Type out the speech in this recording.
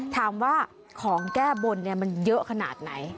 ถามว่าของแก้บนมันเยอะขนาดไหน